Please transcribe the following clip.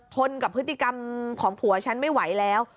นกับพฤติกรรมของผัวฉันไม่ไหวแล้ว